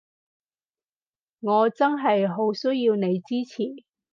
我真係好需要你支持